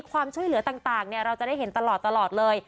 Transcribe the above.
ความช่วยเหลือต่างเราจะได้เห็นตลอดเลย